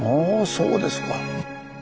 そうですか。